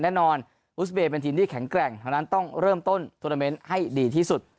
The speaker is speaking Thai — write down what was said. แน่นอนอุสเบย์เป็นทีมที่แข็งแกร่งดังนั้นต้องเริ่มต้นโทรเมนต์ให้ดีที่สุด